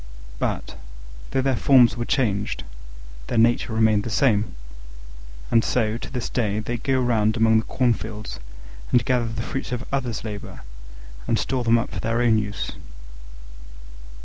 But, though their forms were changed, their nature remained the same: and so, to this day, they go about among the cornfields and gather the fruits of others' labour, and store them up for their own use.